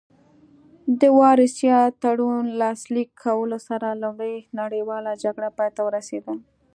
د وارسای تړون لاسلیک کولو سره لومړۍ نړیواله جګړه پای ته ورسیده